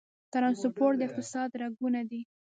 ټرانسپورټ د اقتصاد رګونه دي